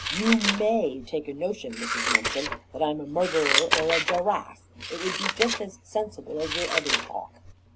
You MAY take a notion, Mrs. Mumpson, that I'm a murderer or a giraffe. It would be just as sensible as your other talk."